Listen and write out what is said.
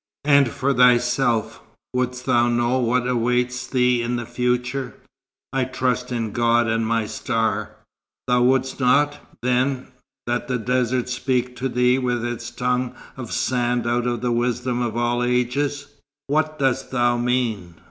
And for thyself, wouldst thou know what awaits thee in the future?" "I trust in God and my star." "Thou wouldst not, then, that the desert speak to thee with its tongue of sand out of the wisdom of all ages?" "What dost thou mean?"